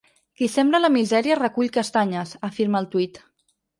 Qui sembra la misèria, recull castanyes afirma el tuit.